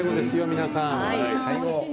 皆さん。